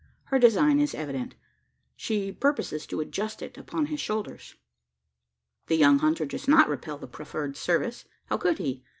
Her design is evident she purposes to adjust it upon his shoulders. The young hunter does not repel the proffered service how could he?